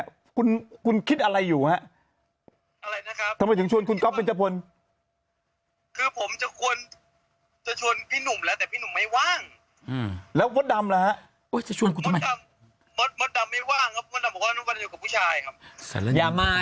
มันไม่มีอะไรเลยครับอ่ะก็เดี๋ยววันพรุ่งนี้ผมก็จะไป